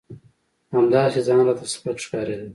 همداسې ځان راته سپک ښکارېده.